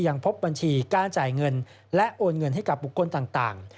ยังพบบัญชีการจ่ายเงินและโอนเงินให้กับบุคคลต่าง